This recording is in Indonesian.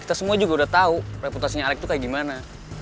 kita semua juga udah tahu reputasinya alect tuh kayak gimana